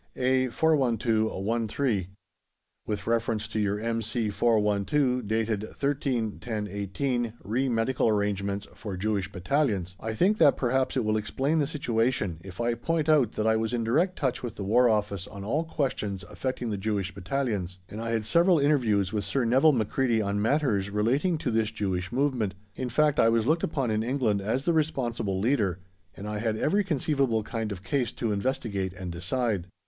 A/412/1/3. With reference to your M.C.412 dated 13/10/18 re medical arrangements for Jewish Battalions, I think that perhaps it will explain the situation if I point out that I was in direct touch with the War Office on all questions affecting the Jewish Battalions, and I had several interviews with Sir Nevil Macready on matters relating to this Jewish movement; in fact, I was looked upon in England as the responsible leader, and I had every conceivable kind of case to investigate and decide.